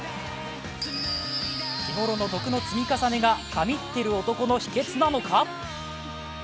日頃の徳の積み重ねが神ってる男の秘けつなのか？